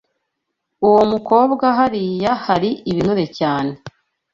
Uwo mukobwa hariya hari ibinure cyane.